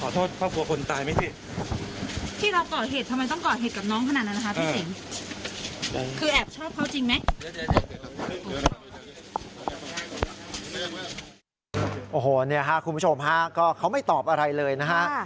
โอ้โหเนี่ยค่ะคุณผู้ชมฮะก็เขาไม่ตอบอะไรเลยนะฮะ